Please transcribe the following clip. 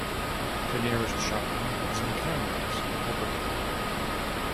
The nearest shopping is in Camrose, Alberta.